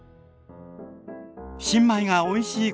新米がおいしい